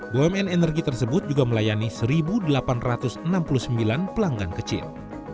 bumn energi tersebut juga melayani satu delapan ratus enam puluh sembilan pelanggan kecil